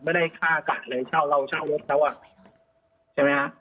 ไม่ได้ค่ากะเลยเช่าเราเช่ารถเขาอ่ะใช่ไหมคะ